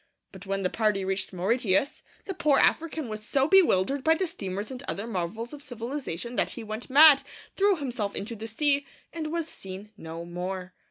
But when the party reached Mauritius, the poor African was so bewildered by the steamers and other marvels of civilization that he went mad, threw himself into the sea, and was seen no more.